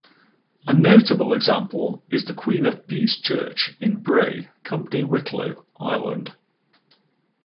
A notable example is the Queen of Peace church in Bray, Company Wicklow, Ireland.